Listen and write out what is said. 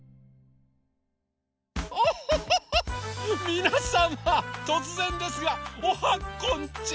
みなさまとつぜんですがおはこんち